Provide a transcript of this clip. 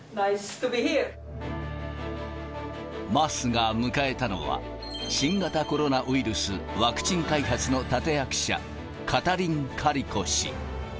桝が迎えたのは、新型コロナウイルスワクチン開発の立て役者、カタリン・カリコ氏。